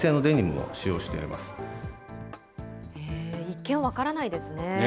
一見、分からないですね。